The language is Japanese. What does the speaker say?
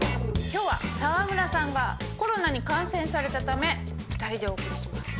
今日は沢村さんがコロナに感染されたため２人でお送りします。